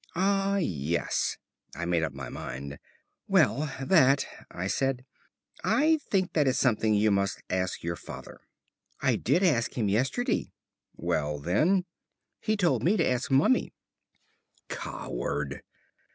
"Ah, yes." I made up my mind. "Well, that," I said "I think that is something you must ask your father." "I did ask him yesterday." "Well, then " "He told me to ask Mummy." Coward!